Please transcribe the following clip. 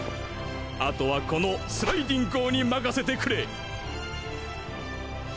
後はこのスライディン・ゴーに任せてくれ！